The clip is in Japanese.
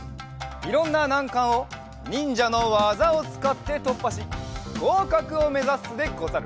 いろんななんかんをにんじゃのわざをつかってとっぱしごうかくをめざすでござる。